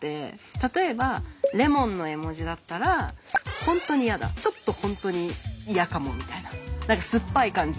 例えばレモンの絵文字だったら本当にイヤだちょっと本当にイヤかもみたいな何か酸っぱい感じ。